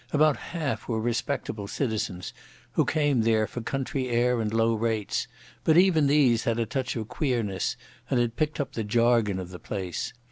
About half were respectable citizens who came there for country air and low rates, but even these had a touch of queerness and had picked up the jargon of the place.